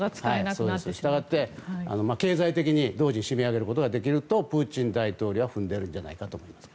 したがって経済的に締め上げることができるとプーチン大統領は踏んでいるんじゃないかと思います。